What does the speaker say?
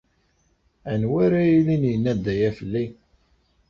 Anwa ara yilin yenna-d aya fell-i?